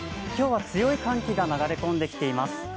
今日は強い寒気が流れ込んできています。